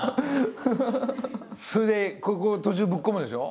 それでここ途中ぶっ込むでしょ？